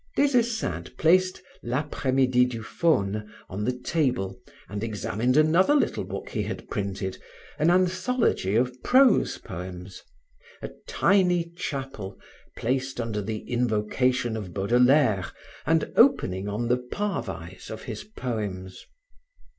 Des Esseintes placed l'Apres midi du faune on the table and examined another little book he had printed, an anthology of prose poems, a tiny chapel, placed under the invocation of Baudelaire and opening on the parvise of his poems.